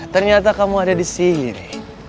ternyata kamu ada disini